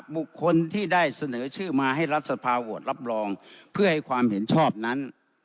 บุคคลที่ได้เสนอชื่อมาให้รัฐสภาโหวตรับรองเพื่อให้ความเห็นชอบนั้น